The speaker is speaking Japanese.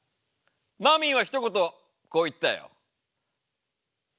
マミーはひと言こう言ったよ。